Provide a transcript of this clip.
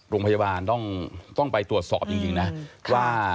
โรงพยาบาลต้องไปตรวจสอบจริงนะว่า